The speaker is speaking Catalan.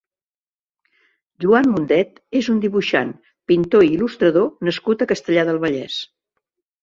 Joan Mundet és un dibuixant, pintor i il·lustrador nascut a Castellar del Vallès.